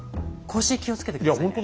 腰気をつけて下さいね。